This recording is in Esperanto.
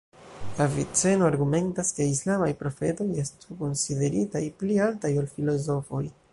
Aviceno argumentas ke islamaj profetoj estu konsideritaj pli altaj ol filozofoj.